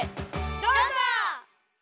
どうぞ！